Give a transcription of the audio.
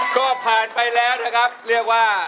ก็ผ่านไปแล้วนะครับเรียกว่า